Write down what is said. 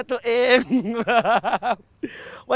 จ้อย